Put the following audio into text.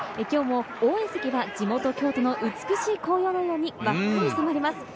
今日も応援席は地元・京都の美しい紅葉のように真っ赤に染まります。